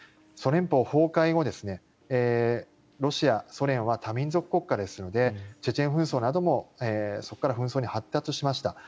ソ連邦崩壊後、ロシア、ソ連は多民族国家ですのでチェチェン紛争などもそこから紛争に発展しました。